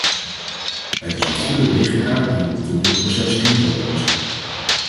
Het is een goede wegenkaart die ons door dit proces heen zal loodsen.